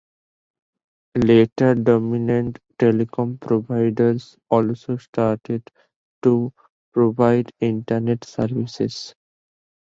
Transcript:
Later dominant telecom providers also started to provide Internet services.